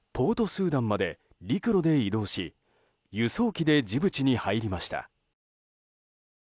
スーダンまで陸路で移動し輸送機でジブチに入りました。